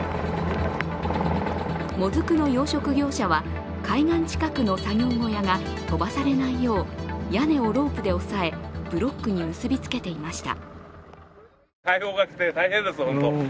モズクの養殖業者は海岸近くの作業小屋が飛ばされないよう屋根をロープで押さえ、ブロックに結びつけていました。